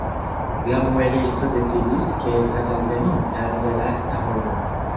La muelisto decidis, ke estas alveninta lia lasta horo.